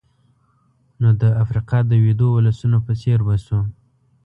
نو د افریقا د ویدو ولسونو په څېر به شو.